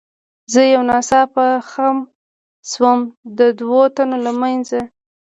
زه یو ناڅاپه خم شوم، د دوو تنو له منځه.